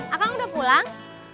akan udah pulang